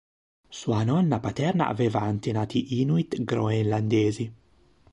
Sua nonna paterna aveva antenati inuit groenlandesi.